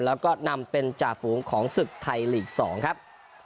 แล้วก็นำเป็นจ่าฝูงของศึกไทยลีก๒ครับ